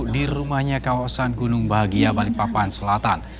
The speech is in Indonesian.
di rumahnya kawasan gunung bahagia balikpapan selatan